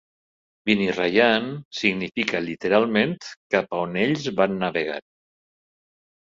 "Binirayan" significa literalment "cap a on ells van navegar".